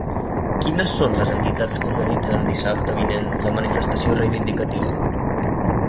Quines són les entitats que organitzen dissabte vinent la manifestació reivindicativa?